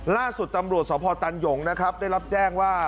ล่าสุดตำรวจสพตันหยงนะครับได้รับแจ้งว่า